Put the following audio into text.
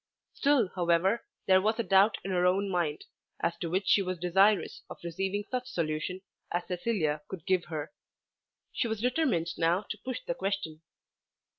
Still however there was a doubt in her own mind, as to which she was desirous of receiving such solution as Cecilia could give her. She was determined now to push the question.